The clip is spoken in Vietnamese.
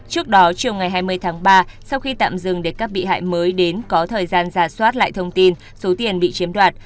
trước đó chiều ngày hai mươi tháng ba sau khi tạm dừng để các bị hại mới đến có thời gian giả soát lại thông tin số tiền bị chiếm đoạt